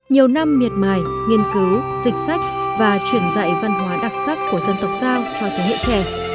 nhiều năm miệt mài nghiên cứu dịch sách và truyền dạy văn hóa đặc sắc của dân tộc giao cho thế hệ trẻ